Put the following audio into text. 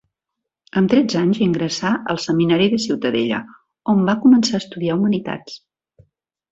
Amb tretze anys ingressà al Seminari de Ciutadella, on va començar a estudiar Humanitats.